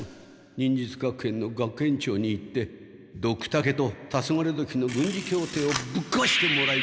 忍術学園の学園長に言ってドクタケとタソガレドキの軍事協定をぶっこわしてもらいたいのだ。